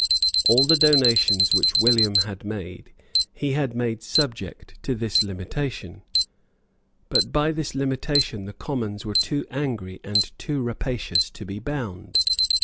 All the donations which William had made he had made subject to this limitation. But by this limitation the Commons were too angry and too rapacious to be bound.